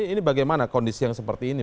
ini bagaimana kondisi yang seperti ini